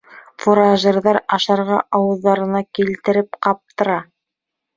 Фуражерҙар ашарға ауыҙҙарына килтереп ҡаптыра.